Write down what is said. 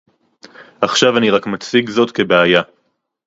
עכשיו אני רק מציג זאת כבעיה